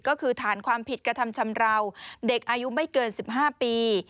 ก็คือฐานความผิดกระทำชำราวเด็กอายุไม่เกิน๑๕ปี